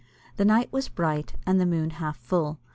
The night was bright, and the moon half full.